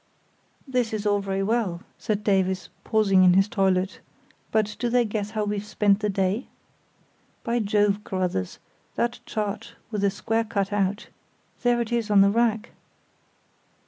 "This is all very well," said Davies, pausing in his toilet, "but do they guess how we've spent the day? By Jove, Carruthers, that chart with the square cut out; there it is on the rack!"